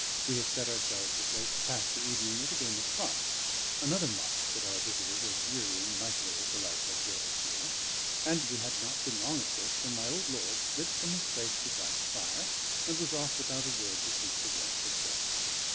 We had set ourselves of late to pass the evening with a game of cards; another mark that our visitor was wearying mightily of the life at Durrisdeer; and we had not been long at this when my old lord slipped from his place beside the fire, and was off without a word to seek the warmth of bed.